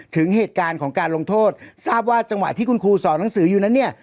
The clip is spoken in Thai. ถึงเหตุการณ์ของการลงโทษทราบว่าจังหวะที่คุณครูสอนหนังสืออยู่นั้นเนี่ย